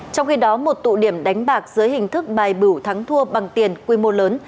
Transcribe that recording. trong khi đó một tụ điểm đánh bạc dưới hình thức bài bửu thắng thua bằng tiền quy mô lớn